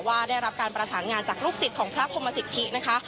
ได้รับการประสานงานจากลูกศิษย์ของพระพรมสิทธินะคะ